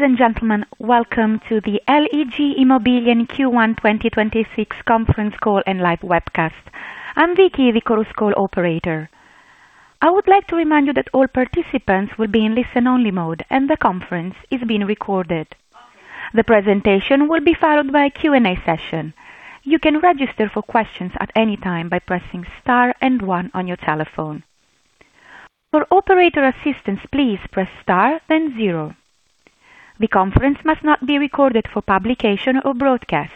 Ladies and gentlemen, welcome to the LEG Immobilien Q1 2026 conference call and live webcast. I'm Vicky, the Chorus Call operator. I would like to remind you that all participants will be in listen-only mode, and the conference is being recorded. The presentation will be followed by a Q&A session. You can register for questions at any time by pressing Star and One on your telephone. For operator assistance, please press Star, then zero. The conference must not be recorded for publication or broadcast.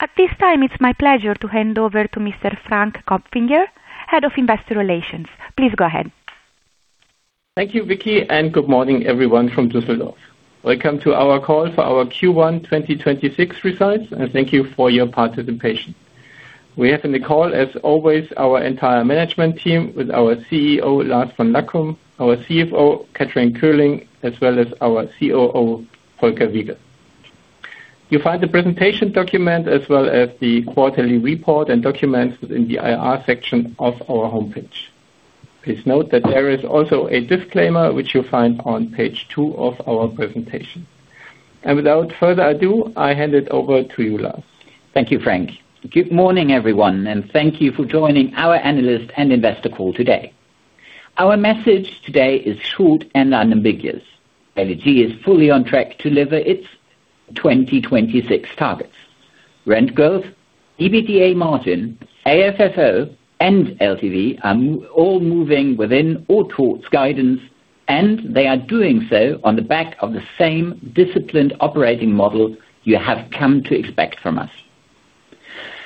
At this time, it's my pleasure to hand over to Mr. Frank Kopfinger, Head of Investor Relations. Please go ahead. Thank you, Vicky. Good morning everyone from Düsseldorf. Welcome to our call for our Q1 2026 results, and thank you for your participation. We have in the call, as always, our entire management team with our CEO, Lars von Lackum, our CFO, Kathrin Köhling, as well as our COO, Volker Wiegel. You'll find the presentation document as well as the quarterly report and documents in the IR section of our homepage. Please note that there is also a disclaimer, which you'll find on page 2 of our presentation. Without further ado, I hand it over to you, Lars. Thank you, Frank. Good morning, everyone, and thank you for joining our analyst and investor call today. Our message today is short and unambiguous. LEG is fully on track to deliver its 2026 targets. Rent growth, EBITDA margin, AFFO, and LTV are all moving within or towards guidance, and they are doing so on the back of the same disciplined operating model you have come to expect from us.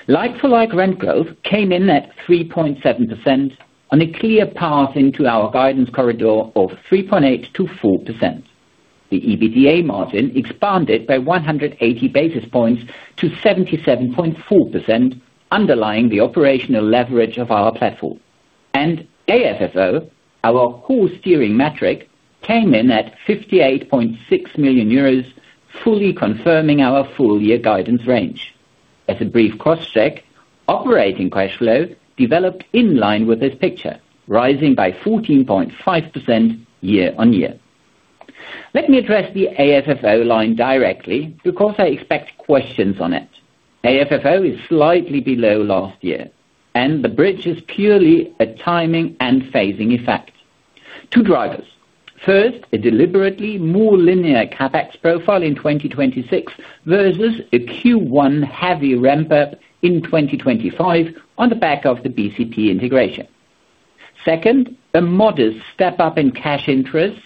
Like for like rent growth came in at 3.7% on a clear path into our guidance corridor of 3.8%-4%. The EBITDA margin expanded by 180 basis points to 77.4%, underlying the operational leverage of our platform. AFFO, our core steering metric, came in at 58.6 million euros, fully confirming our full year guidance range. As a brief cross-check, operating cash flow developed in line with this picture, rising by 14.5% year on year. Let me address the AFFO line directly because I expect questions on it. AFFO is slightly below last year, and the bridge is purely a timing and phasing effect. Two drivers. First, a deliberately more linear CapEx profile in 2026 versus a Q1 heavy ramp up in 2025 on the back of the BCP integration. Second, a modest step up in cash interests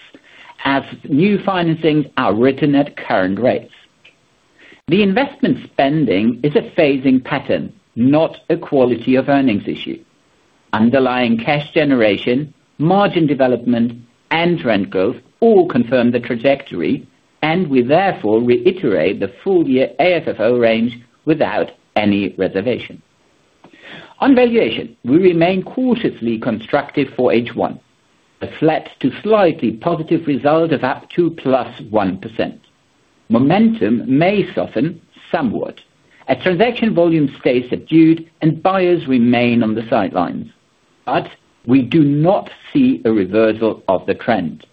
as new financings are written at current rates. The investment spending is a phasing pattern, not a quality of earnings issue. Underlying cash generation, margin development and rent growth all confirm the trajectory, and we therefore reiterate the full year AFFO range without any reservation. On valuation, we remain cautiously constructive for H1. A flat to slightly positive result of up to +1%. Momentum may soften somewhat. Transaction volume stays subdued and buyers remain on the sidelines, but we do not see a reversal of the trend.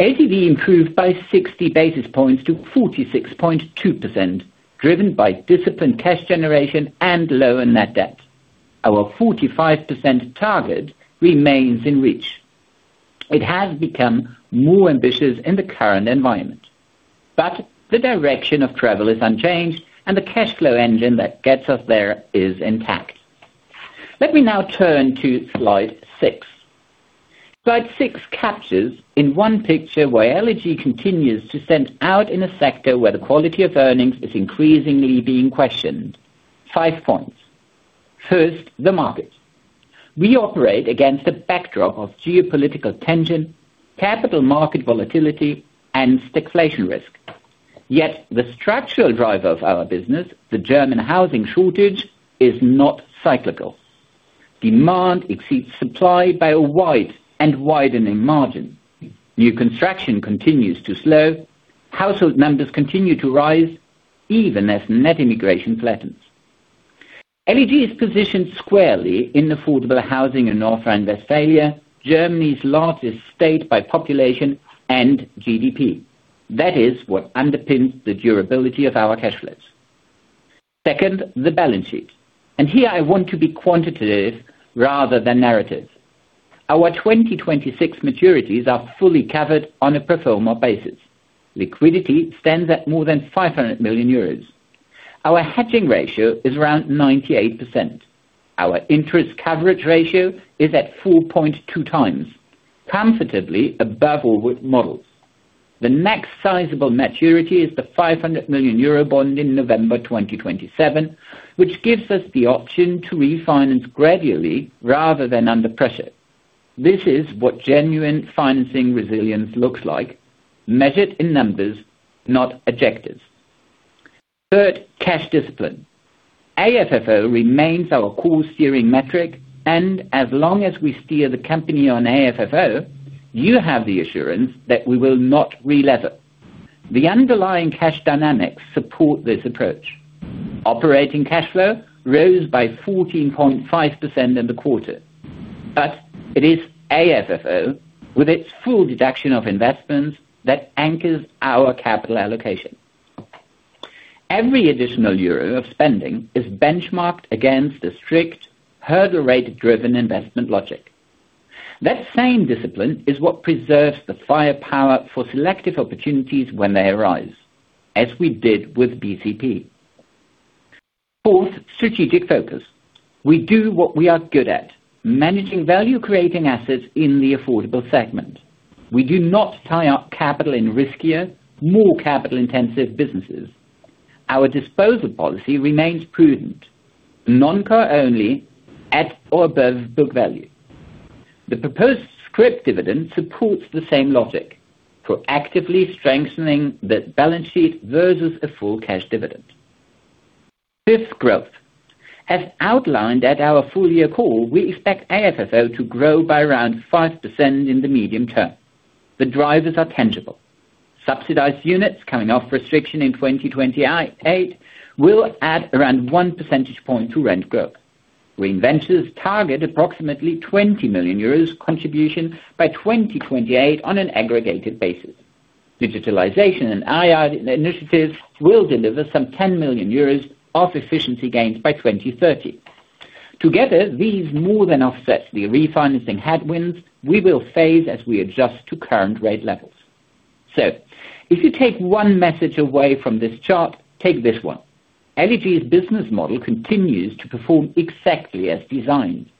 LTV improved by 60 basis points to 46.2%, driven by disciplined cash generation and lower net debt. Our 45% target remains in reach. It has become more ambitious in the current environment, but the direction of travel is unchanged and the cash flow engine that gets us there is intact. Let me now turn to slide 6. Slide 6 captures in one picture where LEG continues to stand out in a sector where the quality of earnings is increasingly being questioned. 5 points. First, the market. We operate against a backdrop of geopolitical tension, capital market volatility and sticky deflation risk. The structural driver of our business, the German housing shortage, is not cyclical. Demand exceeds supply by a wide and widening margin. New construction continues to slow. Household numbers continue to rise even as net immigration flattens. LEG is positioned squarely in affordable housing in North Rhine-Westphalia, Germany's largest state by population and GDP. That is what underpins the durability of our cash flows. Second, the balance sheet, and here I want to be quantitative rather than narrative. Our 2026 maturities are fully covered on a pro forma basis. Liquidity stands at more than 500 million euros. Our hedging ratio is around 98%. Our interest coverage ratio is at 4.2 times, comfortably above all with models. The next sizable maturity is the 500 million euro bond in November 2027, which gives us the option to refinance gradually rather than under pressure. This is what genuine financing resilience looks like, measured in numbers, not objectives. Third, cash discipline. AFFO remains our core steering metric, and as long as we steer the company on AFFO, you have the assurance that we will not relever. The underlying cash dynamics support this approach. Operating cash flow rose by 14.5% in the quarter, but it is AFFO with its full deduction of investments that anchors our capital allocation. Every additional euro of spending is benchmarked against a strict hurdle rate driven investment logic. That same discipline is what preserves the firepower for selective opportunities when they arise, as we did with BCP. Fourth, strategic focus. We do what we are good at, managing value creating assets in the affordable segment. We do not tie up capital in riskier, more capital-intensive businesses. Our disposal policy remains prudent, non-core only at or above book value. The proposed scrip dividend supports the same logic for actively strengthening the balance sheet versus a full cash dividend. Fifth, growth. As outlined at our full year call, we expect AFFO to grow by around 5% in the medium term. The drivers are tangible. Subsidized units coming off restriction in 2028 will add around 1 percentage point to rent growth. Reinventions target approximately 20 million euros contribution by 2028 on an aggregated basis. Digitalization and AI initiatives will deliver some 10 million euros of efficiency gains by 2030. Together, these more than offsets the refinancing headwinds we will face as we adjust to current rate levels. If you take one message away from this chart, take this one. LEG's business model continues to perform exactly as designed.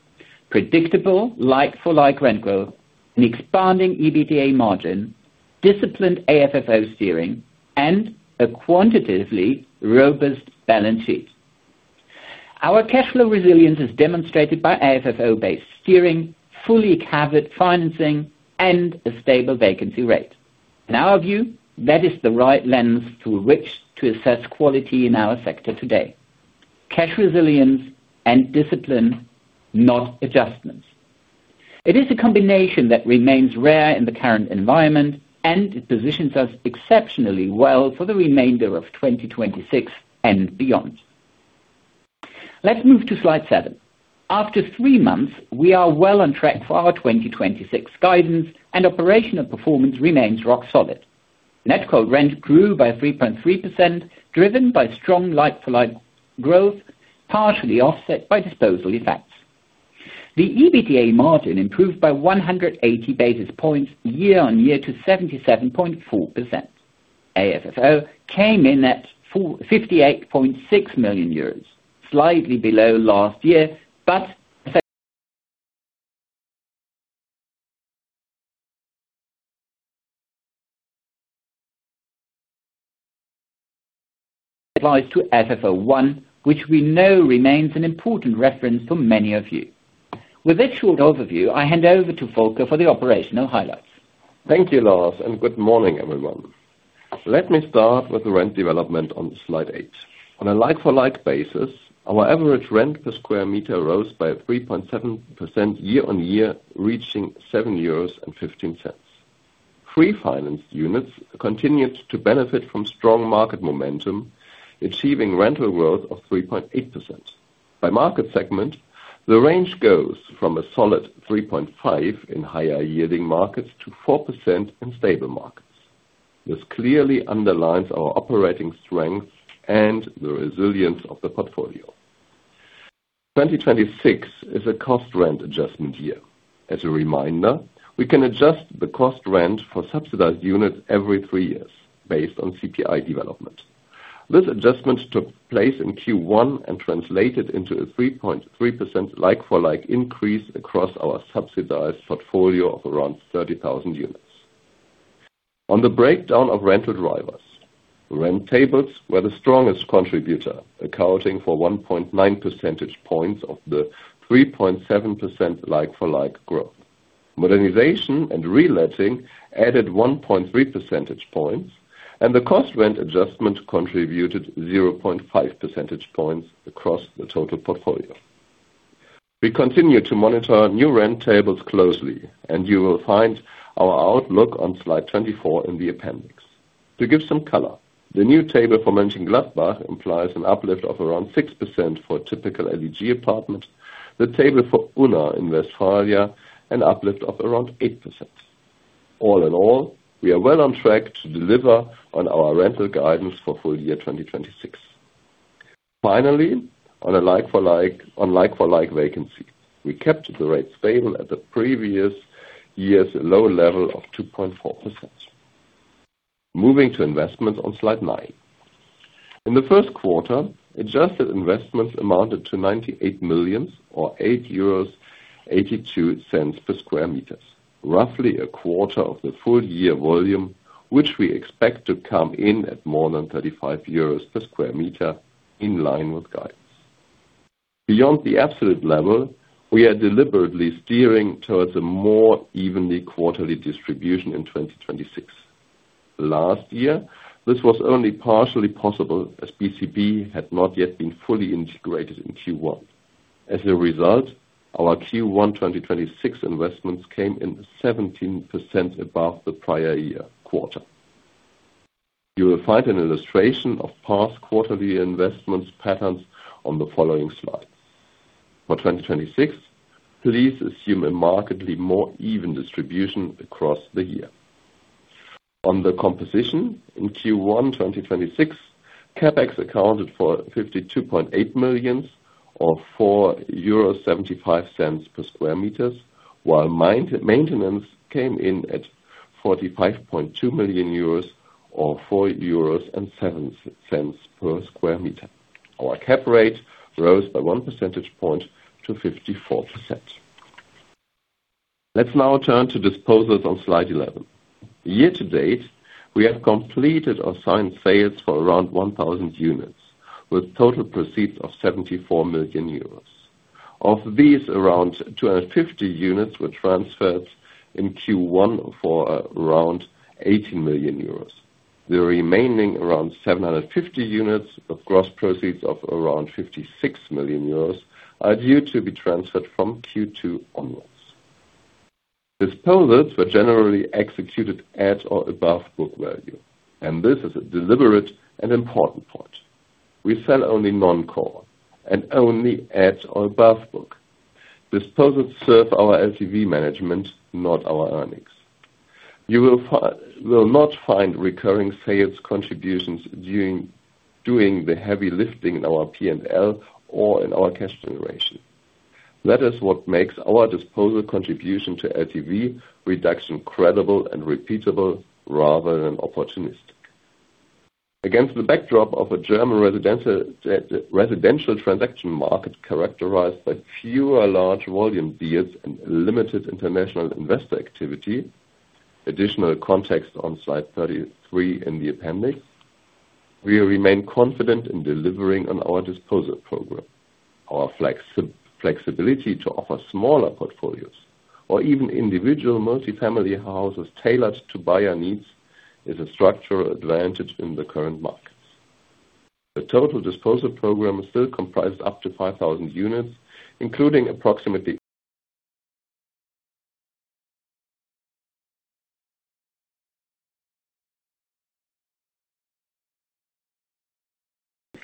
Predictable like-for-like rent growth, an expanding EBITDA margin, disciplined AFFO steering, and a quantitatively robust balance sheet. Our cash flow resilience is demonstrated by AFFO-based steering, fully covered financing, and a stable vacancy rate. In our view, that is the right lens through which to assess quality in our sector today. Cash resilience and discipline, not adjustments. It is a combination that remains rare in the current environment, and it positions us exceptionally well for the remainder of 2026 and beyond. Let's move to slide 7. After 3 months, we are well on track for our 2026 guidance and operational performance remains rock solid. Net cold rent grew by 3.3%, driven by strong like-for-like growth, partially offset by disposal effects. The EBITDA margin improved by 180 basis points year-over-year to 77.4%. AFFO came in at 58.6 million euros, slightly below last year. Effect to FFO I, which we know remains an important reference for many of you. With this short overview, I hand over to Volker for the operational highlights. Thank you, Lars, and good morning, everyone. Let me start with the rent development on slide 8. On a like-for-like basis, our average rent per square meter rose by 3.7% year-over-year, reaching 7.15 euros. Pre-financed units continued to benefit from strong market momentum, achieving rental growth of 3.8%. By market segment, the range goes from a solid 3.5% in higher yielding markets to 4% in stable markets. This clearly underlines our operating strength and the resilience of the portfolio. 2026 is a cost rent adjustment year. As a reminder, we can adjust the cost rent for subsidized units every 3 years based on CPI development. This adjustment took place in Q1 and translated into a 3.3% like-for-like increase across our subsidized portfolio of around 30,000 units. On the breakdown of rental drivers, rent tables were the strongest contributor, accounting for 1.9 percentage points of the 3.7% like for like growth. Modernization and reletting added 1.3 percentage points, and the cost rent adjustment contributed 0.5 percentage points across the total portfolio. We continue to monitor new rent tables closely, and you will find our outlook on slide 24 in the appendix. To give some color, the new table for Mönchengladbach implies an uplift of around 6% for typical LEG apartments. The table for Unna in Westphalia, an uplift of around 8%. All in all, we are well on track to deliver on our rental guidance for full year 2026. Finally, on a like for like vacancy, we kept the rates stable at the previous year's low level of 2.4%. Moving to investments on slide 9. In the first quarter, adjusted investments amounted to 98 million or 8.82 euros per sq m, roughly a quarter of the full year volume, which we expect to come in at more than 35 euros per sq m in line with guidance. Beyond the absolute level, we are deliberately steering towards a more evenly quarterly distribution in 2026. Last year, this was only partially possible as BCP had not yet been fully integrated in Q1. As a result, our Q1 2026 investments came in 17% above the prior year quarter. You will find an illustration of past quarterly investments patterns on the following slides. For 2026, please assume a markedly more even distribution across the year. On the composition, in Q1 2026, CapEx accounted for 52.8 million, or 0.75 per sq m, while main-maintenance came in at 45.2 million euros, or 4.07 euros per sq m. Our Cap rate rose by 1 percentage point to 54%. Let's now turn to disposals on slide 11. Year to date, we have completed or signed sales for around 1,000 units, with total proceeds of 74 million euros. Of these, around 250 units were transferred in Q1 for around 80 million euros. The remaining around 750 units of gross proceeds of around 56 million euros are due to be transferred from Q2 onwards. Disposals were generally executed at or above book value. This is a deliberate and important point. We sell only non-core and only at or above book. Disposals serve our LTV management, not our earnings. You will not find recurring sales contributions doing the heavy lifting in our P&L or in our cash generation. That is what makes our disposal contribution to LTV reduction credible and repeatable rather than opportunistic. Against the backdrop of a German residential transaction market characterized by fewer large volume deals and limited international investor activity, additional context on slide 33 in the appendix, we remain confident in delivering on our disposal program. Our flexibility to offer smaller portfolios or even individual multifamily houses tailored to buyer needs is a structural advantage in the current markets. The total disposal program still comprises up to 5,000 units.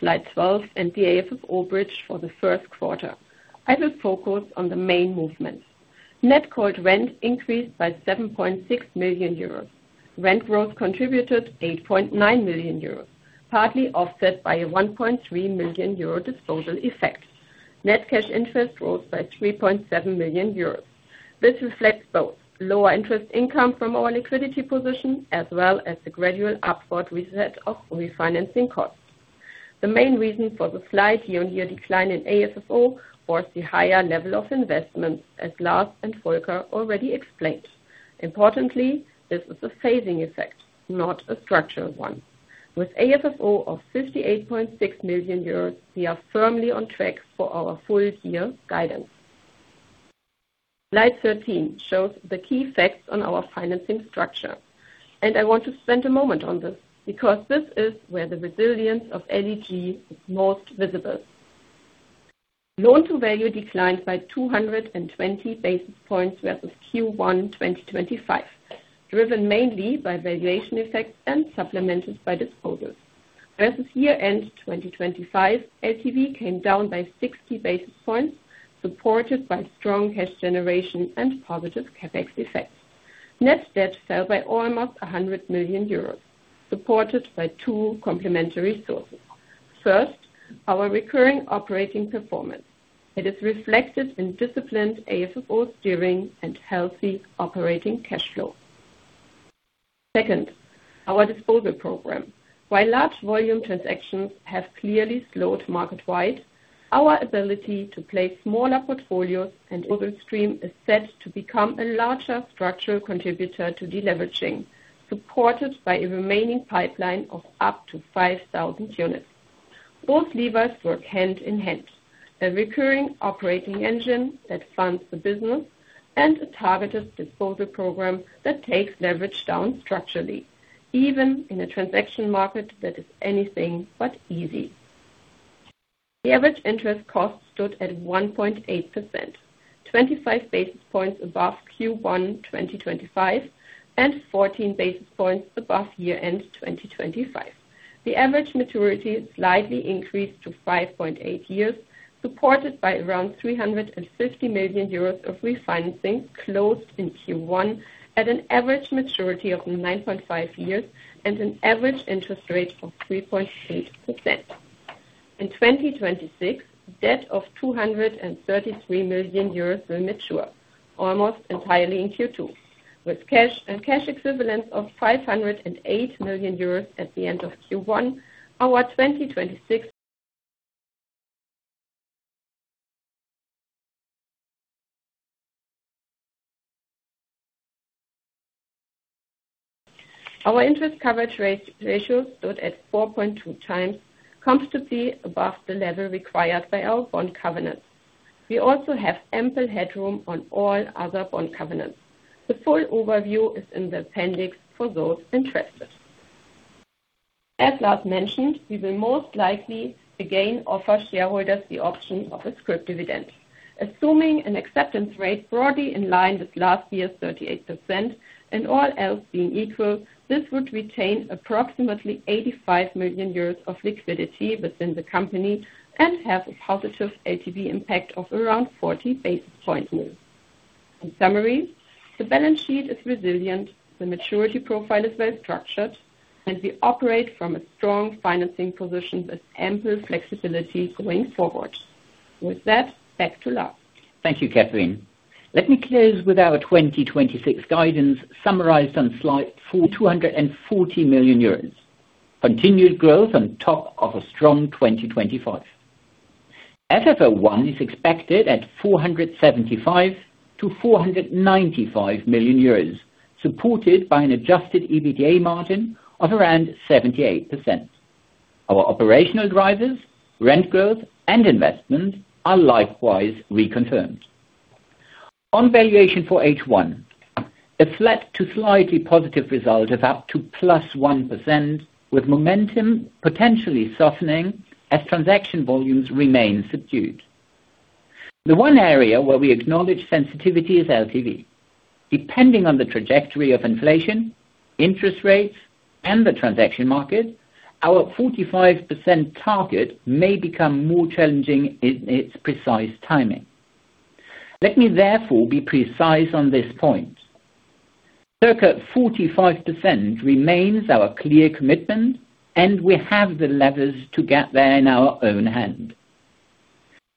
Slide 12, the AFFO bridge for the 1st quarter. I will focus on the main movements. Net cold rent increased by 7.6 million euros. Rent growth contributed 8.9 million euros, partly offset by a 1.3 million euro disposal effect. Net cash interest rose by 3.7 million euros. This reflects both lower interest income from our liquidity position as well as the gradual upward reset of refinancing costs. The main reason for the slight year-on-year decline in AFFO was the higher level of investments, as Lars and Volker already explained. Importantly, this is a phasing effect, not a structural one. With AFFO of 58.6 million euros, we are firmly on track for our full year guidance. Slide 13 shows the key facts on our financing structure. I want to spend a moment on this because this is where the resilience of LEG is most visible. Loan to value declined by 220 basis points versus Q1 2025, driven mainly by valuation effects and supplemented by disposals. Versus year-end 2025, LTV came down by 60 basis points, supported by strong cash generation and positive CapEx effects. Net debt fell by almost 100 million euros, supported by two complementary sources. First, our recurring operating performance. It is reflected in disciplined AFFO steering and healthy operating cash flow. Second, our disposal program. While large volume transactions have clearly slowed market wide, our ability to place smaller portfolios and open stream is set to become a larger structural contributor to deleveraging, supported by a remaining pipeline of up to 5,000 units. Both levers work hand in hand, a recurring operating engine that funds the business and a targeted disposal program that takes leverage down structurally, even in a transaction market that is anything but easy. The average interest cost stood at 1.8%, 25 basis points above Q1 2025, and 14 basis points above year-end 2025. The average maturity slightly increased to 5.8 years, supported by around 350 million euros of refinancing closed in Q1 at an average maturity of 9.5 years and an average interest rate of 3.6%. In 2026, debt of 233 million euros will mature almost entirely in Q2. With cash and cash equivalents of 508 million euros at the end of Q1, our 2026 interest coverage ratio stood at 4.2 times, comfortably above the level required by our bond covenant. We also have ample headroom on all other bond covenants. The full overview is in the appendix for those interested. As Lars mentioned, we will most likely again offer shareholders the option of a scrip dividend. Assuming an acceptance rate broadly in line with last year's 38% and all else being equal, this would retain approximately 85 million euros of liquidity within the company and have a positive LTV impact of around 40 basis points. In summary, the balance sheet is resilient, the maturity profile is well structured, and we operate from a strong financing position with ample flexibility going forward. With that, back to Lars. Thank you, Kathrin. Let me close with our 2026 guidance summarized on slide 4, 240 million euros. Continued growth on top of a strong 2025. FFO I is expected at 475 million-495 million euros, supported by an adjusted EBITDA margin of around 78%. Our operational drivers, rent growth, and investment are likewise reconfirmed. On valuation for H1, a flat to slightly positive result of up to +1% with momentum potentially softening as transaction volumes remain subdued. The one area where we acknowledge sensitivity is LTV. Depending on the trajectory of inflation, interest rates, and the transaction market, our 45% target may become more challenging in its precise timing. Let me therefore be precise on this point. Circa 45% remains our clear commitment, and we have the levers to get there in our own hand.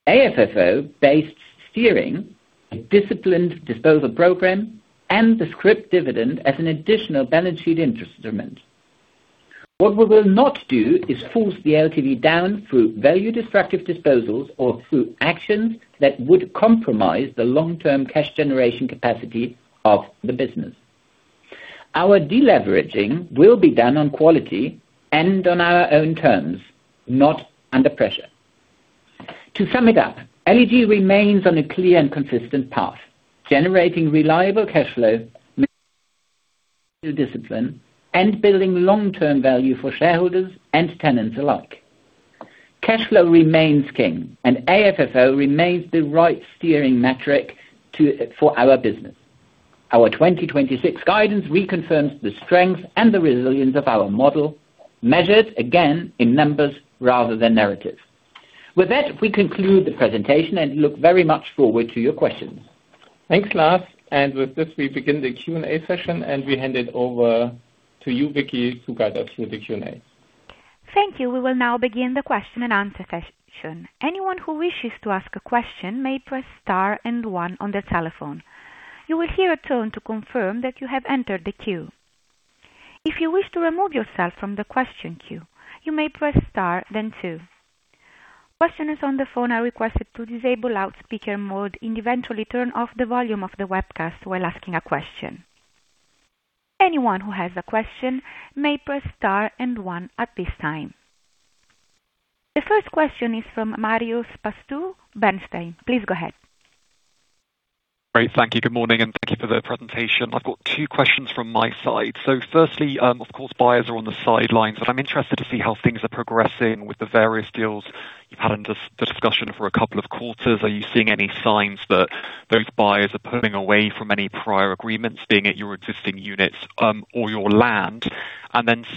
AFFO based steering, a disciplined disposal program, and the scrip dividend as an additional balance sheet instrument. What we will not do is force the LTV down through value-destructive disposals or through actions that would compromise the long-term cash generation capacity of the business. Our deleveraging will be done on quality and on our own terms, not under pressure. To sum it up, LEG remains on a clear and consistent path, generating reliable cash flow discipline and building long-term value for shareholders and tenants alike. Cash flow remains king, and AFFO remains the right steering metric to for our business. Our 2026 guidance reconfirms the strength and the resilience of our model, measured again in numbers rather than narrative. With that, we conclude the presentation and look very much forward to your questions. Thanks, Lars. With this, we begin the Q&A session, and we hand it over to you, Vicky, to guide us through the Q&A. Thank you. We will now begin the question and answer session. Anyone who wishes to ask a question may press star and one on their telephone. You will hear a tone to confirm that you have entered the queue. If you wish to remove yourself from the question queue, you may press star then two. Questioners on the phone are requested to disable speaker mode and eventually turn off the volume of the webcast while asking a question. Anyone who has a question may press star and one at this time. The first question is from Marios Pastou, Bernstein. Please go ahead. Great. Thank you. Good morning, and thank you for the presentation. I've got two questions from my side. Firstly, of course, buyers are on the sidelines, but I'm interested to see how things are progressing with the various deals you've had under discussion for a couple of quarters. Are you seeing any signs that those buyers are pulling away from any prior agreements, being at your existing units, or your land?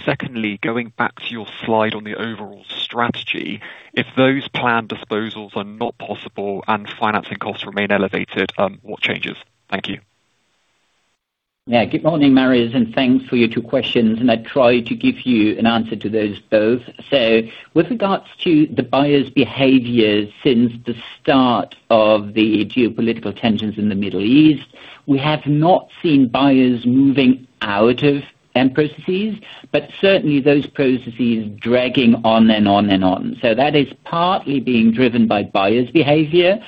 Secondly, going back to your slide on the overall strategy, if those planned disposals are not possible and financing costs remain elevated, what changes? Thank you. Good morning, Marios, thanks for your 2 questions, I try to give you an answer to those both. With regards to the buyers' behaviors since the start of the geopolitical tensions in the Middle East, we have not seen buyers moving out of end processes, certainly those processes dragging on and on and on. That is partly being driven by buyers' behavior,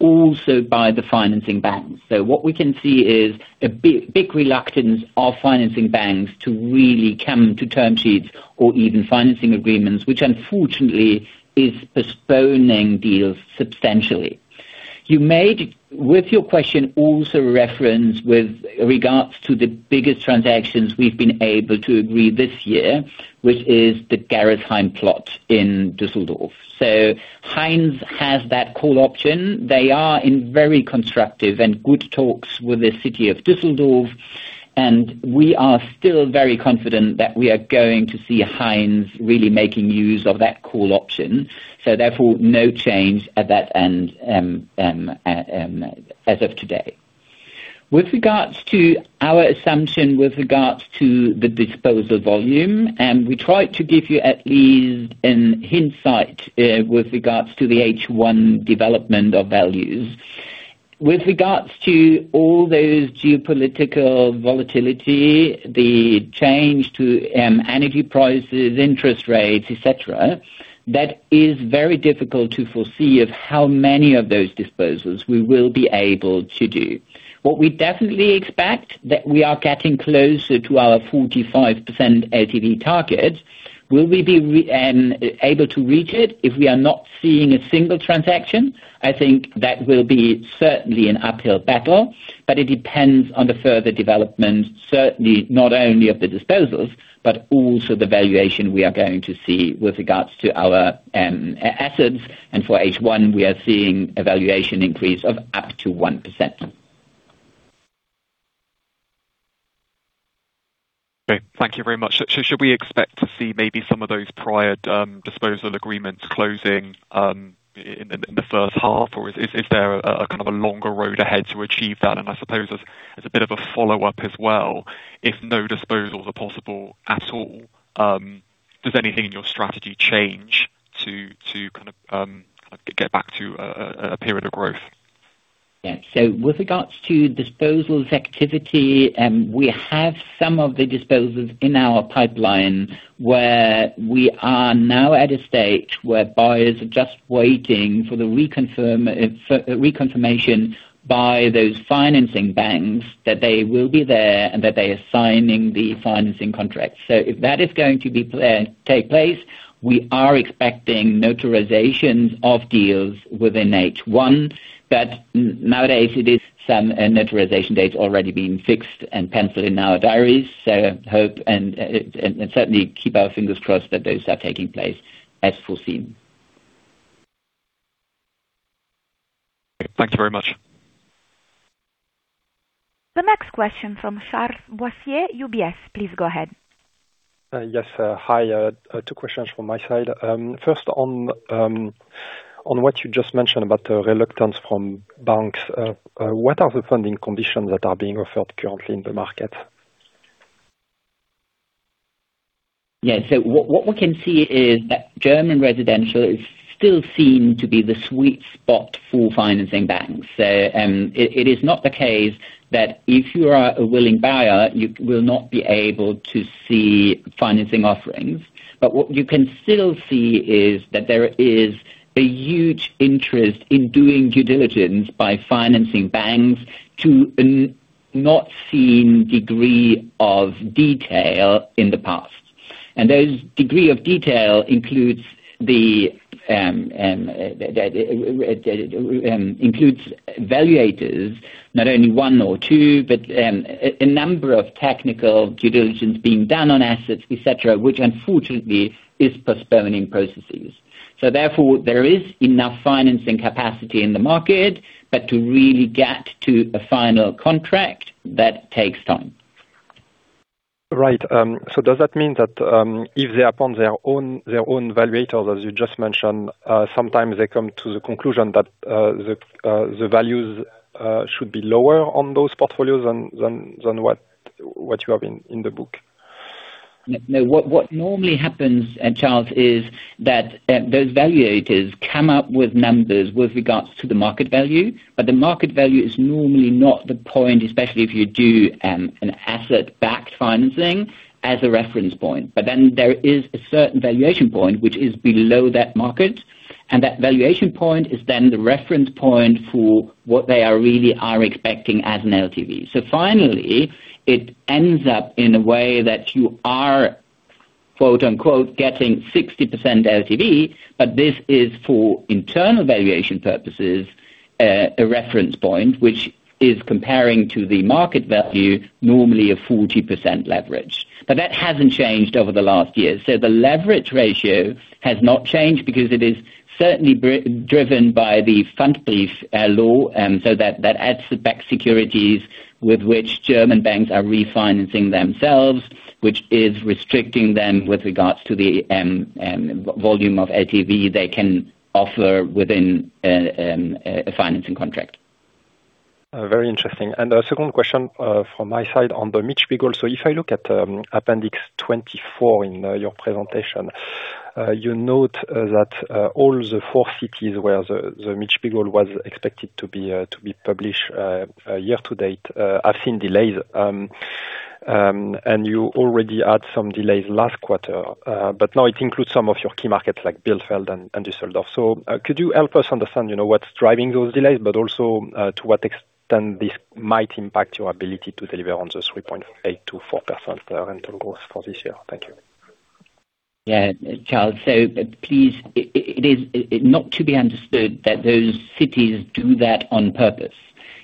also by the financing banks. What we can see is a big, big reluctance of financing banks to really come to term sheets or even financing agreements, which unfortunately is postponing deals substantially. You made, with your question, also reference with regards to the biggest transactions we've been able to agree this year, which is the Gerresheim plot in Düsseldorf. Heine has that call option. They are in very constructive and good talks with the city of Düsseldorf, and we are still very confident that we are going to see Heine really making use of that call option. Therefore, no change at that end as of today. With regards to our assumption with regards to the disposal volume, and we try to give you at least an insight with regards to the H1 development of values. With regards to all those geopolitical volatility, the change to energy prices, interest rates, et cetera, that is very difficult to foresee of how many of those disposals we will be able to do. What we definitely expect, that we are getting closer to our 45% LTV target. Will we be able to reach it if we are not seeing a single transaction? I think that will be certainly an uphill battle, but it depends on the further development, certainly not only of the disposals, but also the valuation we are going to see with regards to our assets. For H1, we are seeing a valuation increase of up to 1%. Thank you very much. Should we expect to see maybe some of those prior disposal agreements closing in the first half? Or is there a kind of a longer road ahead to achieve that? I suppose as a bit of a follow-up as well, if no disposals are possible at all, does anything in your strategy change to kind of get back to a period of growth? Yeah. With regards to disposals activity, we have some of the disposals in our pipeline where we are now at a stage where buyers are just waiting for the reconfirmation by those financing banks that they will be there and that they are signing the financing contract. If that is going to take place, we are expecting notarization of deals within H1, but nowadays it is some notarization dates already being fixed and penciled in our diaries. Hope and certainly keep our fingers crossed that those are taking place as foreseen. Thank you very much. The next question from Charles Boissier, UBS. Please go ahead. Yes. Hi. 2 questions from my side. First, on what you just mentioned about the reluctance from banks, what are the funding conditions that are being offered currently in the market? What we can see is that German residential is still seen to be the sweet spot for financing banks. It is not the case that if you are a willing buyer, you will not be able to see financing offerings. What you can still see is that there is a huge interest in doing due diligence by financing banks not seen degree of detail in the past. Those degree of detail includes the includes evaluators, not only 1 or 2, but a number of technical due diligence being done on assets, et cetera, which unfortunately is postponing processes. Therefore, there is enough financing capacity in the market, but to really get to a final contract, that takes time. Right. Does that mean that, if they're upon their own evaluators, as you just mentioned, sometimes they come to the conclusion that the values should be lower on those portfolios than what you have in the book? No. What normally happens, Charles, is that those evaluators come up with numbers with regards to the market value, but the market value is normally not the point, especially if you do an asset-backed financing as a reference point. There is a certain valuation point which is below that market, and that valuation point is then the reference point for what they are really are expecting as an LTV. Finally, it ends up in a way that you are, quote-unquote, "Getting 60% LTV," but this is for internal valuation purposes, a reference point which is comparing to the market value, normally a 40% leverage. That hasn't changed over the last year. The leverage ratio has not changed because it is certainly driven by the Pfandbrief law, so that asset-backed securities with which German banks are refinancing themselves, which is restricting them with regards to the volume of LTV they can offer within a financing contract. Very interesting. A second question from my side on the Mietspiegel. If I look at appendix 24 in your presentation, you note that all the 4 cities where the Mietspiegel was expected to be published year to date have seen delays. You already had some delays last quarter, but now it includes some of your key markets like Bielefeld and Düsseldorf. Could you help us understand, you know, what's driving those delays, but also to what extent this might impact your ability to deliver on those 3.8% to 4% rental growth for this year? Thank you. Charles, please, it is not to be understood that those cities do that on purpose.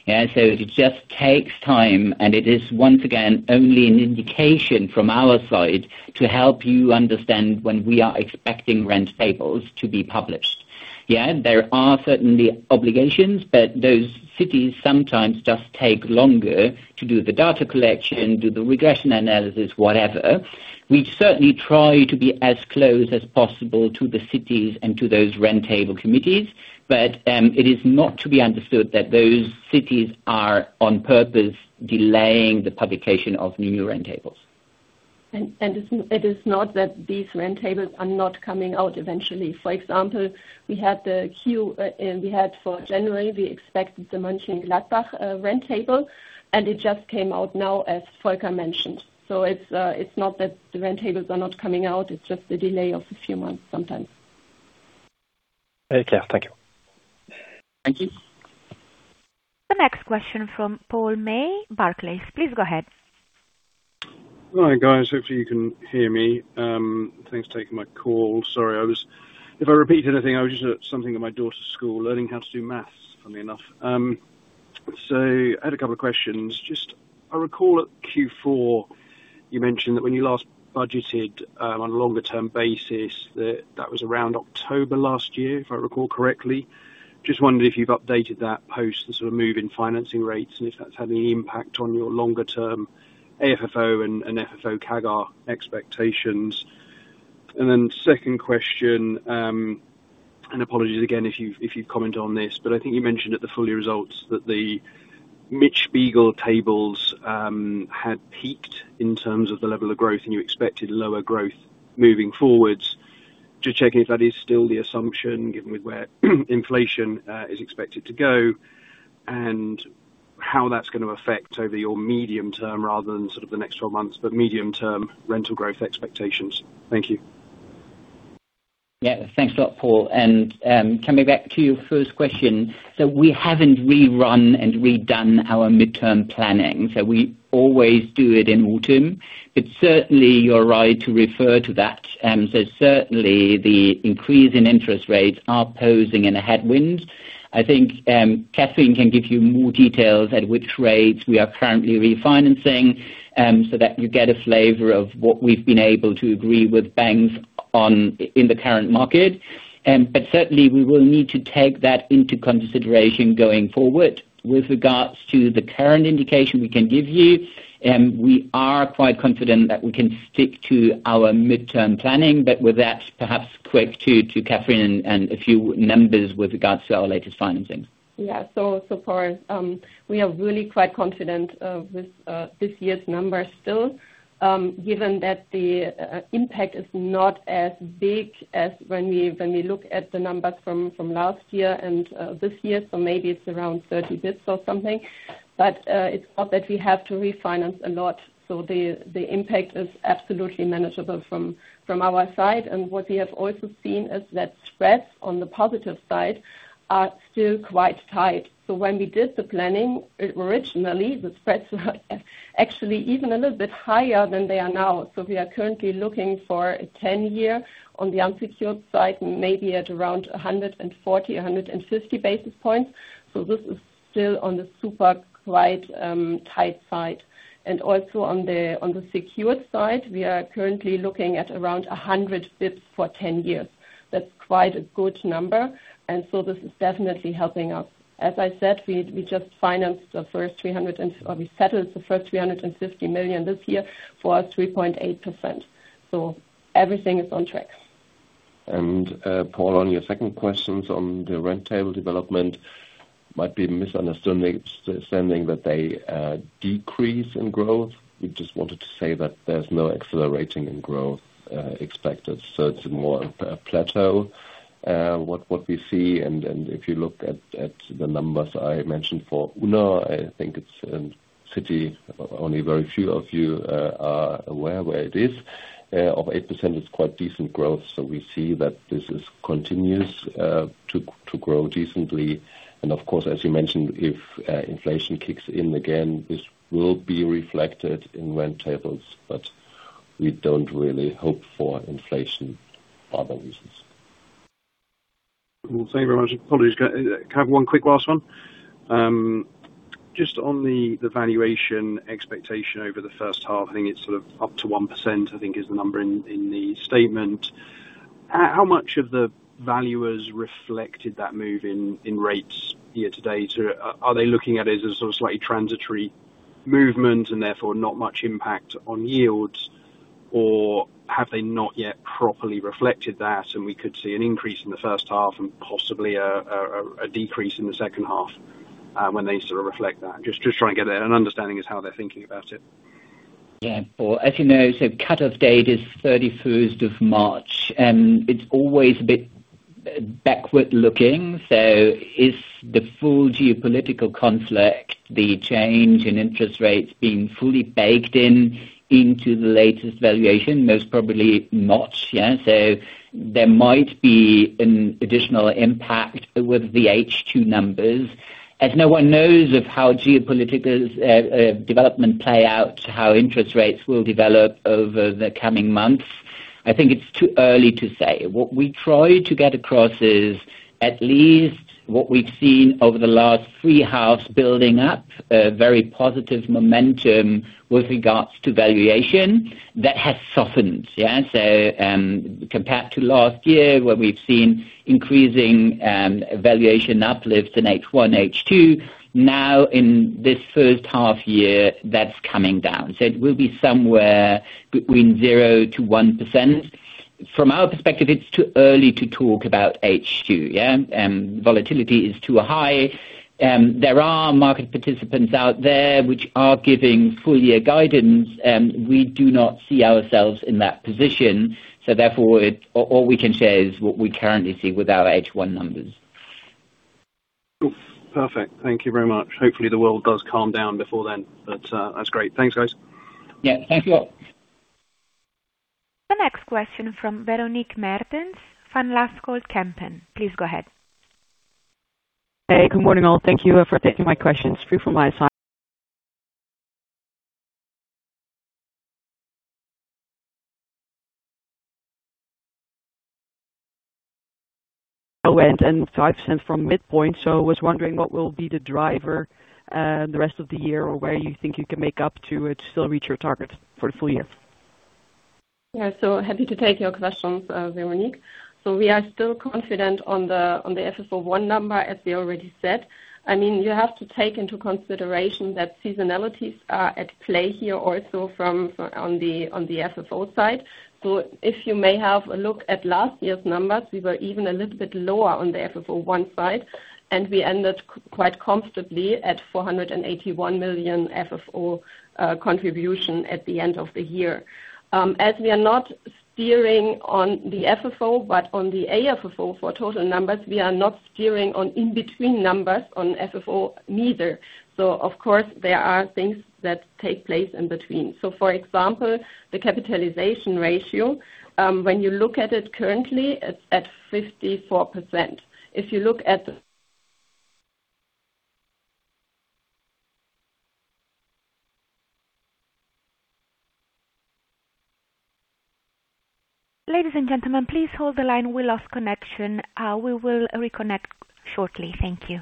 It just takes time, and it is once again, only an indication from our side to help you understand when we are expecting rent tables to be published. There are certainly obligations, but those cities sometimes just take longer to do the data collection, do the regression analysis, whatever. We certainly try to be as close as possible to the cities and to those rent table committees, but it is not to be understood that those cities are on purpose delaying the publication of new rent tables. It is not that these rent tables are not coming out eventually. For example, we had the Q, we had for January, we expected the Mönchengladbach rent table, and it just came out now as Volker mentioned. It's not that the rent tables are not coming out, it's just the delay of a few months sometimes. Okay. Thank you. Thank you. The next question from Paul May, Barclays. Please go ahead. Hi, guys. Hopefully you can hear me. Thanks for taking my call. Sorry, if I repeat anything, I was just something at my daughter's school, learning how to do math, funnily enough. I had a couple of questions. I recall at Q4 you mentioned that when you last budgeted on a longer term basis, that was around October last year, if I recall correctly. I was wondering if you've updated that post, the sort of move in financing rates, and if that's had any impact on your longer term AFFO and FFO CAGR expectations. Second question, apologies again if you've commented on this, I think you mentioned at the full year results that the Mietspiegel tables had peaked in terms of the level of growth, and you expected lower growth moving forward. Just checking if that is still the assumption given with where inflation is expected to go and how that's gonna affect over your medium term rather than sort of the next 12 months, but medium term rental growth expectations. Thank you. Yeah. Thanks a lot, Paul. Coming back to your first question. We haven't rerun and redone our midterm planning, so we always do it in autumn. Certainly you're right to refer to that. Certainly the increase in interest rates are posing in a headwind. I think Kathrin can give you more details at which rates we are currently refinancing, so that you get a flavor of what we've been able to agree with banks on In the current market. Certainly we will need to take that into consideration going forward. With regards to the current indication we can give you, we are quite confident that we can stick to our midterm planning, with that, perhaps quick to Kathrin and a few numbers with regards to our latest financings. So far, we are really quite confident with this year's numbers still, given that the impact is not as big as when we look at the numbers from last year and this year. Maybe it's around 30 basis points or something. It's not that we have to refinance a lot. The impact is absolutely manageable from our side. What we have also seen is that spreads on the positive side are still quite tight. When we did the planning originally, the spreads were actually even a little bit higher than they are now. We are currently looking for a 10-year on the unsecured side, maybe at around 140, 150 basis points. This is still on the super quite tight side. Also on the secured side, we are currently looking at around 100 basis points for 10 years. That's quite a good number, so this is definitely helping us. As I said, we just settled the first 350 million this year for our 3.8%. Everything is on track. Paul, on your second questions on the rent table development might be misunderstanding that they decrease in growth. We just wanted to say that there's no accelerating in growth expected. It's more a plateau what we see and if you look at the numbers I mentioned for Unna, I think it's city. Only very few of you are aware where it is. Of 8% it's quite decent growth, so we see that this is continues to grow decently. Of course, as you mentioned, if inflation kicks in again, this will be reflected in rent tables. We don't really hope for inflation for other reasons. Thank you very much. Apologies. Can I have one quick last one? Just on the valuation expectation over the first half, I think it's sort of up to 1%, I think is the number in the statement. How much of the value has reflected that move in rates year to date? Or are they looking at it as a sort of slightly transitory movement and therefore not much impact on yields? Or have they not yet properly reflected that and we could see an increase in the first half and possibly a decrease in the second half when they sort of reflect that? Just trying to get an understanding as how they're thinking about it. Well, as you know, cutoff date is 31st of March, and it's always a bit backward looking. Is the full geopolitical conflict, the change in interest rates being fully baked in into the latest valuation? Most probably not. There might be an additional impact with the H2 numbers. As no one knows of how geopolitical development play out, how interest rates will develop over the coming months, I think it's too early to say. What we try to get across is at least what we've seen over the last three halves building up, a very positive momentum with regards to valuation that has softened. Compared to last year, where we've seen increasing valuation uplifts in H1, H2, now in this first half year, that's coming down. It will be somewhere between 0%-1%. From our perspective, it's too early to talk about H2. Yeah. Volatility is too high. There are market participants out there which are giving full year guidance. We do not see ourselves in that position. Therefore, all we can say is what we currently see with our H1 numbers. Cool. Perfect. Thank you very much. Hopefully, the world does calm down before then, but that's great. Thanks, guys. Yeah. Thank you all. The next question from Veronique Mertens, Van Lanschot Kempen. Please go ahead. Hey, good morning, all. Thank you for taking my questions. It's 3 from my side went and 5% from midpoint. I was wondering what will be the driver the rest of the year or where you think you can make up to still reach your target for the full year? Yeah. Happy to take your questions, Veronique. We are still confident on the FFO I number, as we already said. I mean, you have to take into consideration that seasonalities are at play here also from on the FFO side. If you may have a look at last year's numbers, we were even a little bit lower on the FFO I side, and we ended quite comfortably at 481 million FFO contribution at the end of the year. As we are not steering on the FFO, but on the AFFO for total numbers, we are not steering on in-between numbers on FFO neither. Of course, there are things that take place in between. For example, the capitalization ratio, when you look at it currently, it's at 54%. Ladies and gentlemen, please hold the line. We lost connection. We will reconnect shortly. Thank you.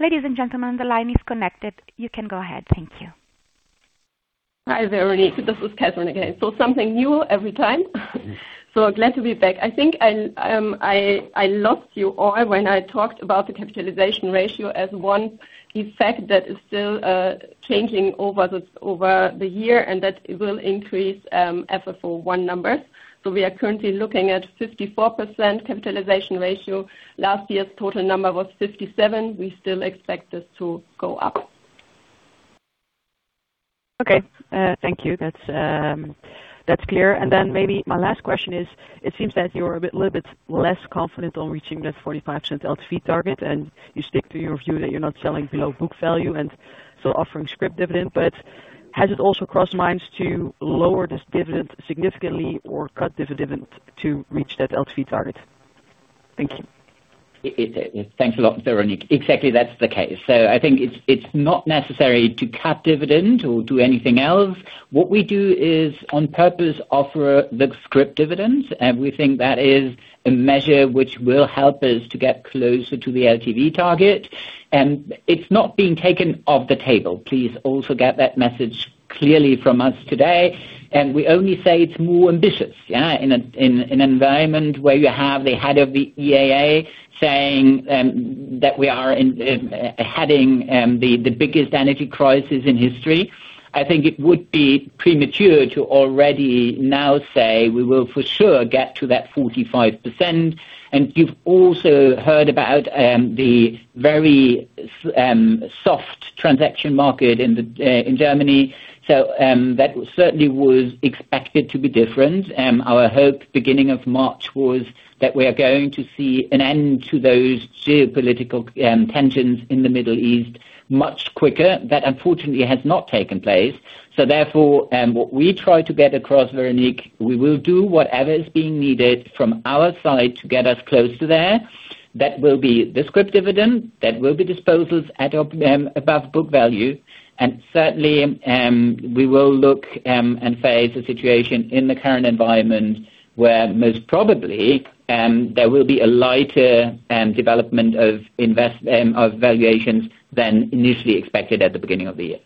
Ladies and gentlemen, the line is connected. You can go ahead. Thank you. Hi, Veronique. This is Kathrin again. Something new every time. Glad to be back. I think I lost you all when I talked about the capitalization ratio as one. In fact, that is still changing over the year, and that it will increase FFO I numbers. We are currently looking at 54% capitalization ratio. Last year's total number was 57. We still expect this to go up. Okay. Thank you. That's clear. Maybe my last question is, it seems that you're a little bit less confident on reaching that 45% LTV target, and you stick to your view that you're not selling below book value and still offering scrip dividend. Has it also crossed minds to lower this dividend significantly or cut dividend to reach that LTV target? Thank you. Thanks a lot, Veronique. Exactly, that's the case. I think it's not necessary to cut dividend or do anything else. What we do is on purpose offer the scrip dividends, and we think that is a measure which will help us to get closer to the LTV target. It's not being taken off the table. Please also get that message clearly from us today. We only say it's more ambitious, yeah, in an environment where you have the head of the IEA saying that we are heading the biggest energy crisis in history. I think it would be premature to already now say we will for sure get to that 45%. You've also heard about the very soft transaction market in Germany. That certainly was expected to be different. Our hope beginning of March was that we are going to see an end to those geopolitical tensions in the Middle East much quicker. That unfortunately has not taken place. Therefore, what we try to get across, Veronique, we will do whatever is being needed from our side to get us close to there. That will be the scrip dividend, that will be disposals above book value. Certainly, we will look and face the situation in the current environment where most probably there will be a lighter development of valuations than initially expected at the beginning of the year.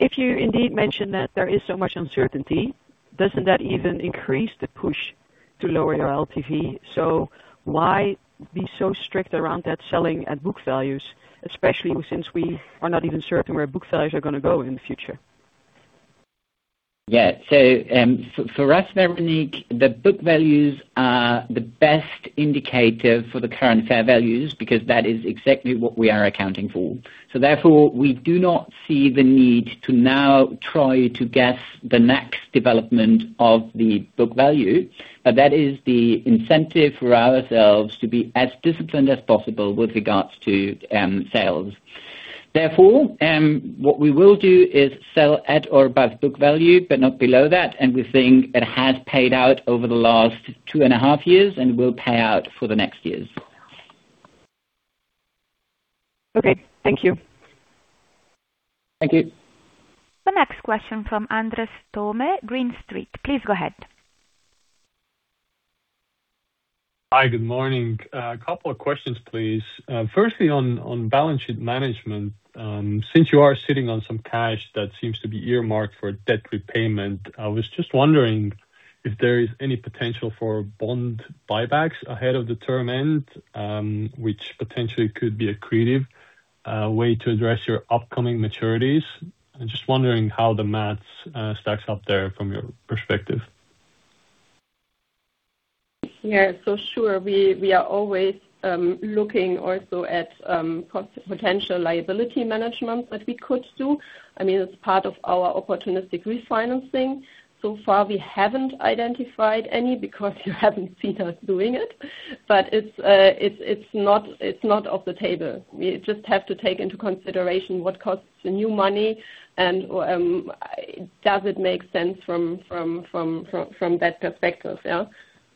If you indeed mention that there is so much uncertainty, doesn't that even increase the push to lower your LTV? Why be so strict around that selling at book values, especially since we are not even certain where book values are going to go in the future? For us, Veronique, the book values are the best indicator for the current fair values because that is exactly what we are accounting for. Therefore, we do not see the need to now try to guess the next development of the book value. That is the incentive for ourselves to be as disciplined as possible with regards to sales. Therefore, what we will do is sell at or above book value, but not below that. We think it has paid out over the last 2.5 years and will pay out for the next years. Okay. Thank you. Thank you. The next question from Andres Toome, Green Street. Please go ahead. Hi. Good morning. A couple of questions, please. Firstly, on balance sheet management, since you are sitting on some cash that seems to be earmarked for debt repayment, I was just wondering if there is any potential for bond buybacks ahead of the term end, which potentially could be a creative way to address your upcoming maturities. I'm just wondering how the math stacks up there from your perspective. Sure. We are always looking also at cost potential liability management that we could do. I mean, it's part of our opportunistic refinancing. So far, we haven't identified any because you haven't seen us doing it, but it's not off the table. We just have to take into consideration what costs the new money and does it make sense from that perspective.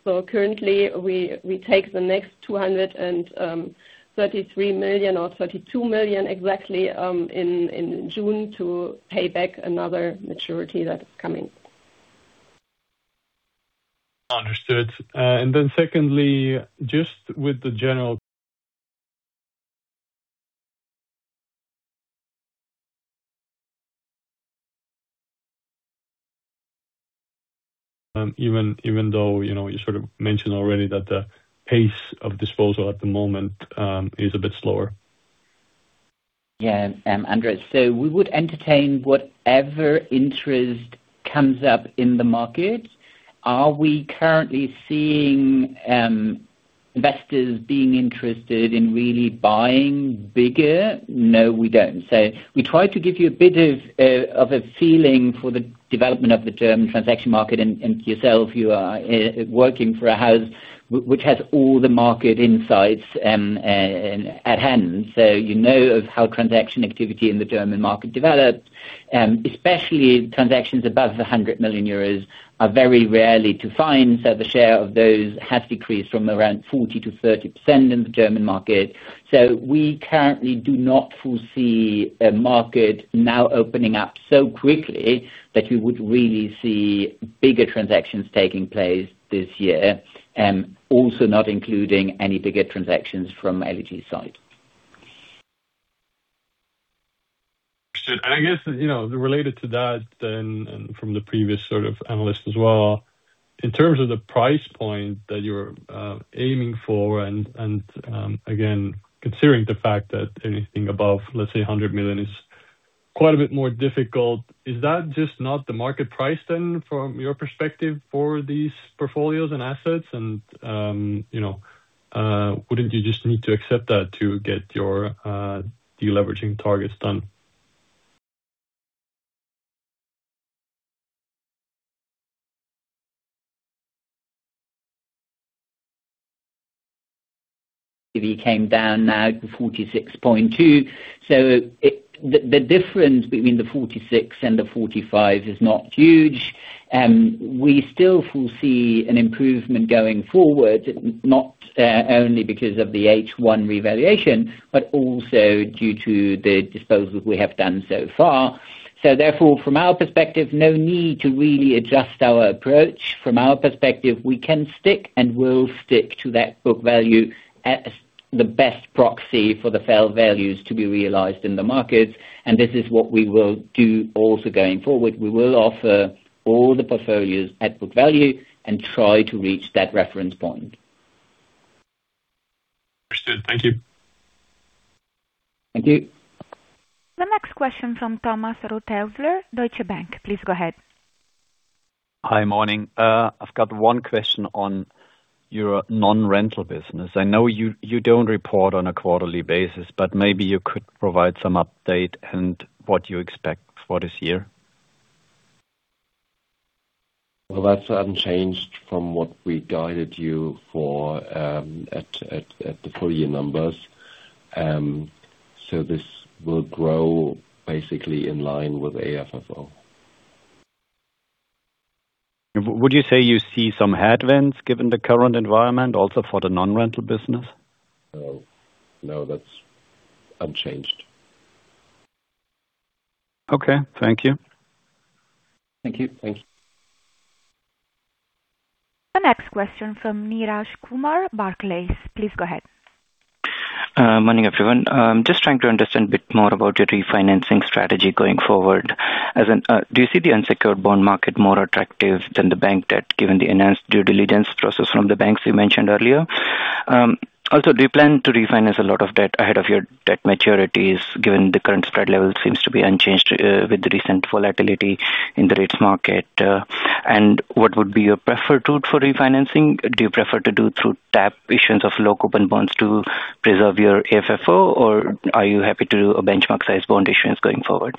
Currently we take the next 233 million or 32 million exactly in June to pay back another maturity that is coming. Understood. Secondly, just with the general even though, you know, you sort of mentioned already that the pace of disposal at the moment is a bit slower. Andres, we would entertain whatever interest comes up in the market. Are we currently seeing investors being interested in really buying bigger? No, we don't. We try to give you a bit of a feeling for the development of the German transaction market and yourself, you are working for a house which has all the market insights at hand. You know of how transaction activity in the German market developed, especially transactions above the 100 million euros are very rarely to find. The share of those has decreased from around 40%-30% in the German market. We currently do not foresee a market now opening up so quickly that we would really see bigger transactions taking place this year. Also not including any bigger transactions from LEG side. Understood. I guess, you know, related to that then, and from the previous sort of analyst as well, in terms of the price point that you're aiming for and again, considering the fact that anything above, let's say 100 million is quite a bit more difficult, is that just not the market price then from your perspective for these portfolios and assets? You know, wouldn't you just need to accept that to get your de-leveraging targets done? If you came down now to 46.2. The difference between the 46 and the 45 is not huge. We still foresee an improvement going forward, not only because of the H1 revaluation, but also due to the disposals we have done so far. Therefore, from our perspective, no need to really adjust our approach. From our perspective, we can stick and will stick to that book value as the best proxy for the fair values to be realized in the markets, and this is what we will do also going forward. We will offer all the portfolios at book value and try to reach that reference point. Understood. Thank you. Thank you. The next question from Thomas Rothaeusler, Deutsche Bank. Please go ahead. Hi. Morning. I've got one question on your non-rental business. I know you don't report on a quarterly basis. Maybe you could provide some update and what you expect for this year. Well, that's unchanged from what we guided you for, at the full year numbers. This will grow basically in line with AFFO. Would you say you see some headwinds given the current environment also for the non-rental business? No. No, that's unchanged. Okay. Thank you. Thank you. Thanks. The next question from Neeraj Kumar, Barclays. Please go ahead. Morning, everyone. Just trying to understand a bit more about your refinancing strategy going forward. Do you see the unsecured bond market more attractive than the bank debt, given the enhanced due diligence process from the banks you mentioned earlier? Do you plan to refinance a lot of debt ahead of your debt maturities, given the current spread level seems to be unchanged with the recent volatility in the rates market, what would be your preferred route for refinancing? Do you prefer to do through tap issuance of low coupon bonds to preserve your AFFO, or are you happy to do a benchmark size bond issuance going forward?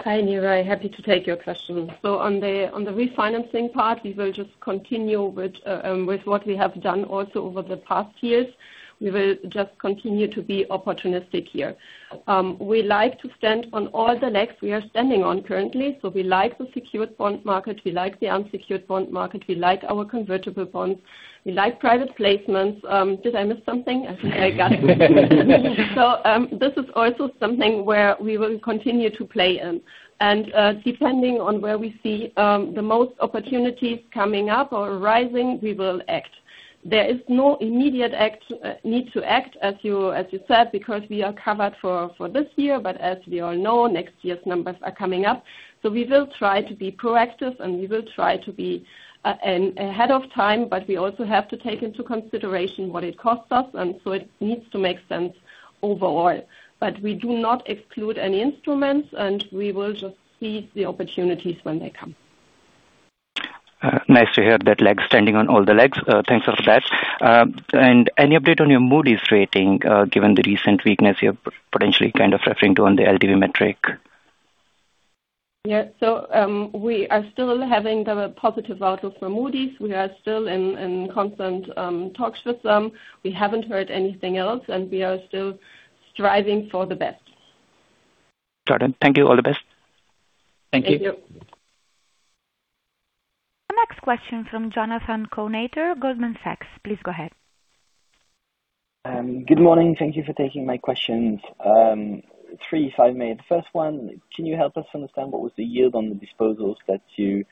Hi, Neeraj. Happy to take your question. On the refinancing part, we will just continue with what we have done also over the past years. We will just continue to be opportunistic here. We like to stand on all the legs we are standing on currently. We like the secured bond market, we like the unsecured bond market, we like our convertible bonds, we like private placements. Did I miss something? I think I got it. This is also something where we will continue to play in. Depending on where we see the most opportunities coming up or rising, we will act. There is no immediate need to act as you said, because we are covered for this year. As we all know, next year's numbers are coming up. We will try to be proactive, and we will try to be ahead of time, but we also have to take into consideration what it costs us, and so it needs to make sense overall. We do not exclude any instruments, and we will just seize the opportunities when they come. Nice to hear that LEG standing on all the legs. Thanks for that. Any update on your Moody's rating, given the recent weakness you're potentially kind of referring to on the LTV metric? Yeah. We are still having the positive outlook for Moody's. We are still in constant talks with them. We haven't heard anything else, and we are still striving for the best. Got it. Thank you. All the best. Thank you. The next question from Jonathan Kownator, Goldman Sachs. Please go ahead.. Good morning. Thank you for taking my questions. Three, if I may. The first one, can you help us understand what was the yield on the disposals that you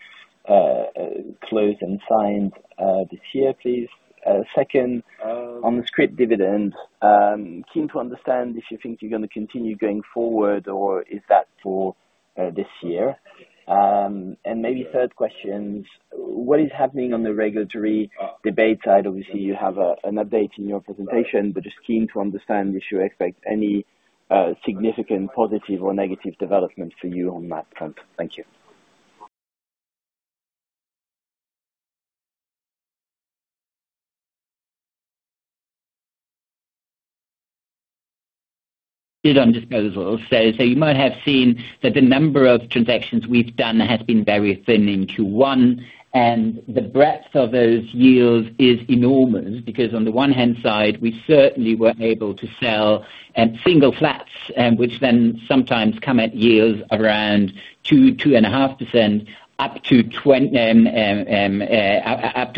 closed and signed this year, please? Second, on the scrip dividend, keen to understand if you think you're going to continue going forward, or is that for this year? Maybe third question, what is happening on the regulatory debate side? Obviously, you have an update in your presentation, but just keen to understand would you expect any significant positive or negative developments for you on that front. Thank you. Did on disposals. You might have seen that the number of transactions we've done has been very thin in Q1, and the breadth of those yields is enormous because on the one hand side, we certainly were able to sell, single flats, which then sometimes come at yields around 2%-2.5% up to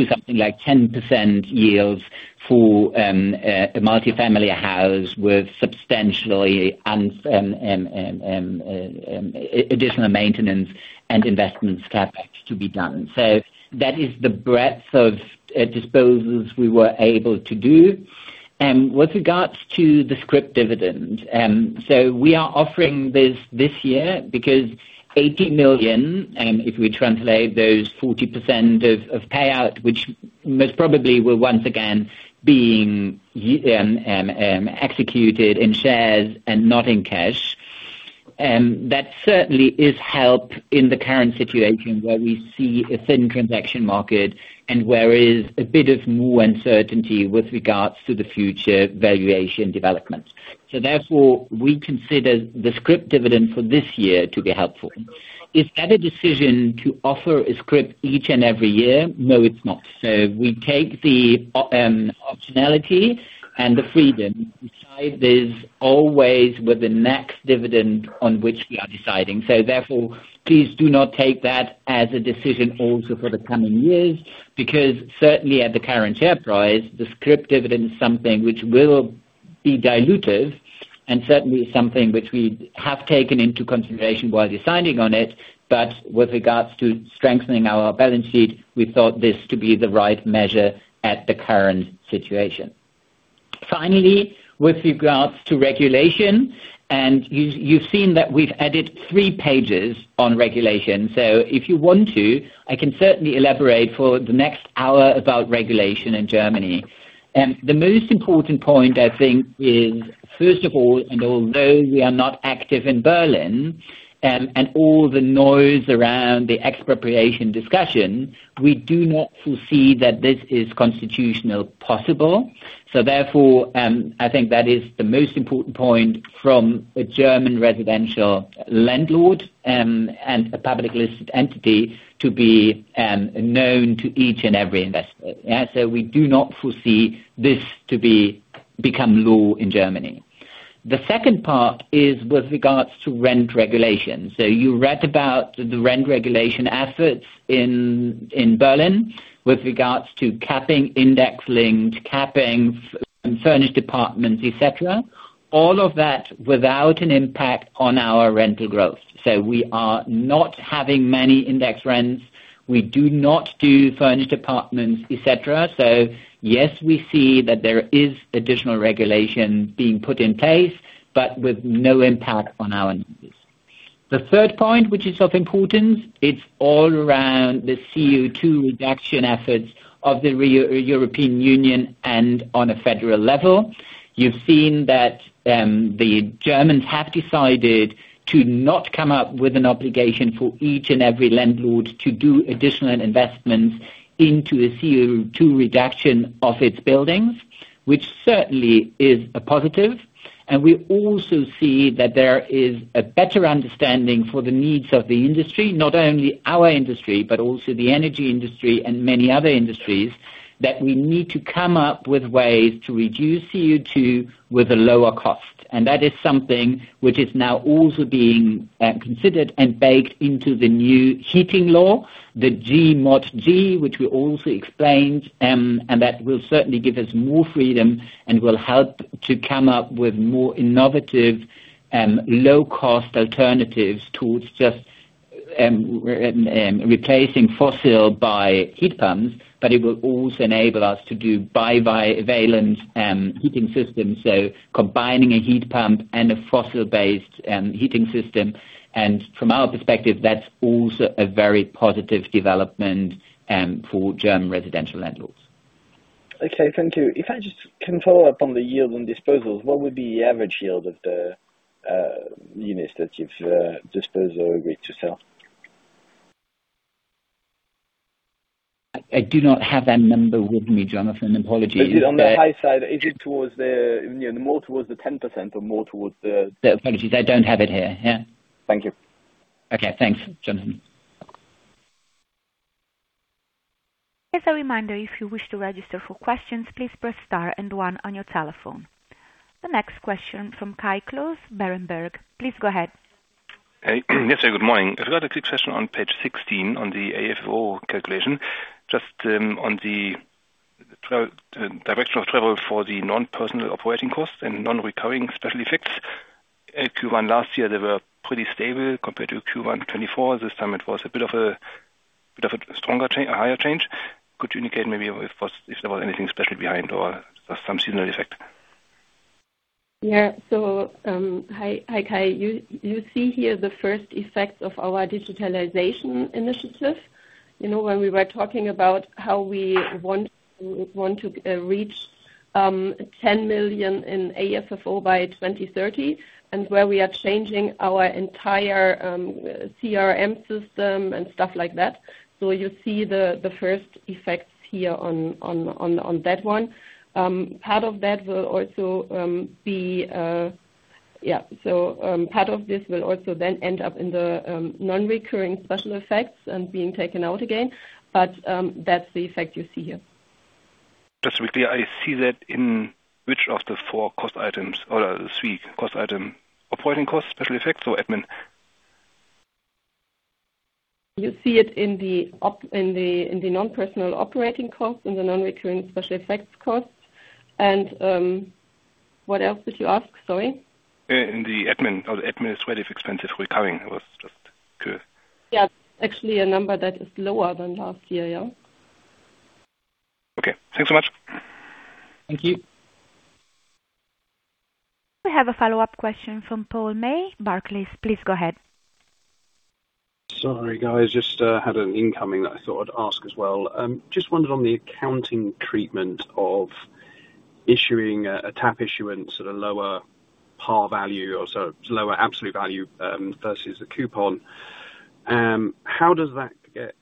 something like 10% yields for a multi-family house with substantially additional maintenance and investment CapEx to be done. That is the breadth of disposals we were able to do. With regards to the scrip dividend, we are offering this this year because 80 million, if we translate those 40% of payout, which most probably will once again being executed in shares and not in cash, that certainly is help in the current situation where we see a thin transaction market and where is a bit of more uncertainty with regards to the future valuation developments. Therefore, we consider the scrip dividend for this year to be helpful. Is that a decision to offer a scrip each and every year? No, it's not. We take the optionality and the freedom to decide this always with the next dividend on which we are deciding. Therefore, please do not take that as a decision also for the coming years, because certainly at the current share price, the scrip dividend is something which will be dilutive and certainly something which we have taken into consideration while deciding on it, but with regards to strengthening our balance sheet, we thought this to be the right measure at the current situation. Finally, with regards to regulation, you've seen that we've added three pages on regulation. If you want to, I can certainly elaborate for the next hour about regulation in Germany. The most important point, I think, is first of all, although we are not active in Berlin, and all the noise around the expropriation discussion, we do not foresee that this is constitutional possible. I think that is the most important point from a German residential landlord and a public listed entity to be known to each and every investor. We do not foresee this to become law in Germany. The second part is with regards to rent regulations. You read about the rent regulation efforts in Berlin with regards to capping index links, capping furnished apartments, et cetera. All of that without an impact on our rental growth. We are not having many index rents. We do not do furnished apartments, et cetera. Yes, we see that there is additional regulation being put in place, but with no impact on our leases. The third point, which is of importance, it's all around the CO2 reduction efforts of the European Union and on a federal level. You've seen that, the Germans have decided to not come up with an obligation for each and every landlord to do additional investments into a CO2 reduction of its buildings, which certainly is a positive. We also see that there is a better understanding for the needs of the industry, not only our industry, but also the energy industry and many other industries, that we need to come up with ways to reduce CO2 with a lower cost. That is something which is now also being considered and baked into the new heating law, the GEG, which we also explained, and that will certainly give us more freedom and will help to come up with more innovative, low cost alternatives towards just replacing fossil by heat pumps, but it will also enable us to do bivalent heating systems. Combining a heat pump and a fossil-based heating system. From our perspective, that's also a very positive development for German residential landlords. Thank you. If I just can follow up on the yield and disposals, what would be the average yield of the units that you've disposed or agreed to sell? I do not have that number with me, Jonathan. Apologies. Is it on the high side? Is it towards the, you know, more towards the 10%. Apologies, I don't have it here. Yeah. Thank you. Okay, thanks, Jonathan. As a reminder, if you wish to register for questions, please press star and one on your telephone. The next question from Kai Klose, Berenberg. Please go ahead. Hey. Yes, say good morning. I've got a quick question on page 16 on the AFFO calculation. Just on the direction of travel for the non-personal operating costs and non-recurring special effects. In Q1 last year, they were pretty stable compared to Q1 2024. This time it was a bit of a stronger change, a higher change. Could you indicate maybe if there was anything special behind or some seasonal effect? Yeah. Hi Kai. You see here the first effects of our digitalization initiative. You know, when we were talking about how we want to reach 10 million in AFFO by 2030, and where we are changing our entire CRM system and stuff like that. You see the first effects here on that one. Part of this will also then end up in the non-recurring special effects and being taken out again. That's the effect you see here. Just quickly, I see that in which of the 4 cost items or the 3 cost item: operating costs, special effects or admin? You see it in the non-personal operating costs, in the non-recurring special effects costs. What else did you ask? Sorry. In the admin or the administrative expenses recurring was just. Yeah. Actually, a number that is lower than last year. Yeah. Okay. Thanks so much. Thank you. We have a follow-up question from Paul May, Barclays. Please go ahead. Sorry, guys, just had an incoming that I thought I'd ask as well. Just wondered on the accounting treatment of issuing a tap issuance at a lower par value or so lower absolute value versus the coupon. How does that get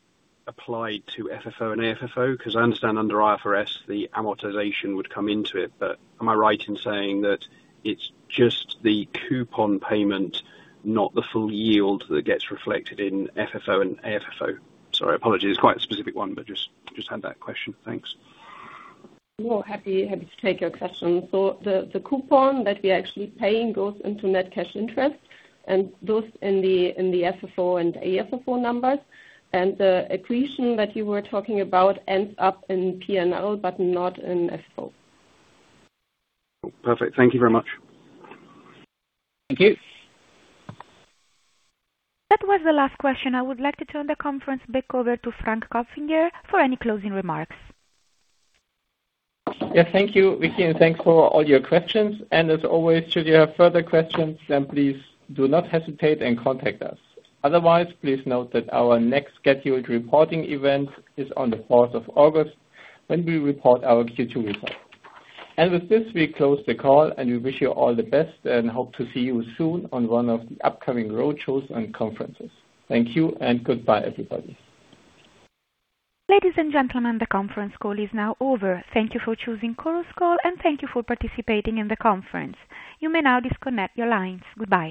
applied to FFO and AFFO? 'Cause I understand under IFRS the amortization would come into it, but am I right in saying that it's just the coupon payment, not the full yield that gets reflected in FFO and AFFO? Sorry, apologies, it's quite a specific one, but just had that question. Thanks. Happy to take your question. The coupon that we are actually paying goes into net cash interest and those in the FFO and AFFO numbers. The accretion that you were talking about ends up in P&L but not in FFO. Oh, perfect. Thank you very much. Thank you. That was the last question. I would like to turn the conference back over to Frank Kopfinger for any closing remarks. Yeah, thank you, Vicky, and thanks for all your questions. As always, should you have further questions, please do not hesitate and contact us. Otherwise, please note that our next scheduled reporting event is on the fourth of August when we report our Q2 results. With this, we close the call, and we wish you all the best and hope to see you soon on one of the upcoming road shows and conferences. Thank you and goodbye everybody. Ladies and gentlemen, the conference call is now over. Thank you for choosing Chorus Call, and thank you for participating in the conference. You may now disconnect your lines. Goodbye.